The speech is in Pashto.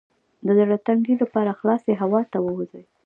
د زړه د تنګي لپاره خلاصې هوا ته ووځئ